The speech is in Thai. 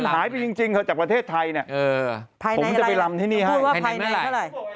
หายไปจริงมันจากกันเทศไทยเน็ย